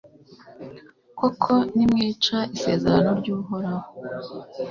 koko, nimwica isezerano ry'uhoraho